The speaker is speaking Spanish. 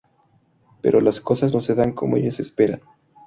Pero las cosas no se dan como ellos esperan.